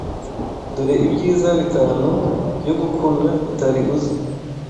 Dore ibyiza bitanu byo gukuna utari uzi